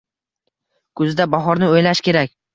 Kuzda bahorni oʻylash kerak.